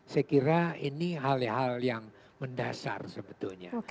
saya kira ini hal hal yang mendasar sebetulnya